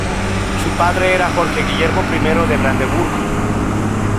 Su padre era Jorge Guillermo I de Brandeburgo.